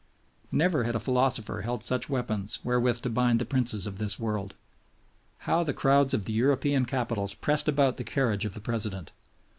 Never had a philosopher held such weapons wherewith to bind the princes of this world. How the crowds of the European capitals pressed about the carriage of the President!